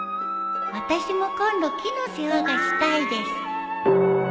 「私も今度木の世話がしたいです」